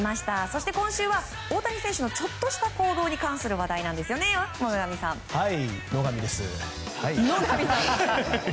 そして今週は大谷選手のちょっとした行動に関する話題なんですよね、野上さん。